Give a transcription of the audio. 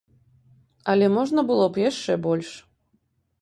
Але можна было б яшчэ больш.